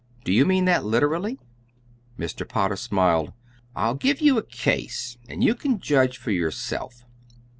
"Do you mean that literally?" Mr. Potter smiled. "I'll give you a case, and you can judge for yourself.